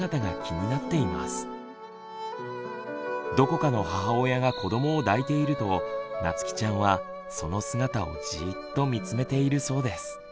どこかの母親が子どもを抱いているとなつきちゃんはその姿をじっと見つめているそうです。